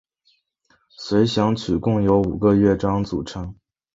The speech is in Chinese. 随想曲共有五个乐章组成。